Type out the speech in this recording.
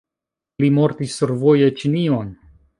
Li mortis survoje Ĉinion.